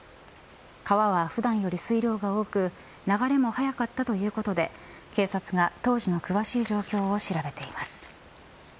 川は普段より水量が多く流れも速かったということで警察が当時の詳しい状況を調べています。